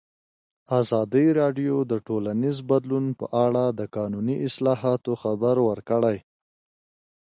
ازادي راډیو د ټولنیز بدلون په اړه د قانوني اصلاحاتو خبر ورکړی.